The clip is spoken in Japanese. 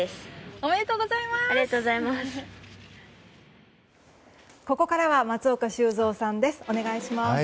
おめでとうございます。